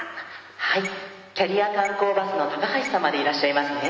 はいキャリア観光バスの高橋様でいらっしゃいますね。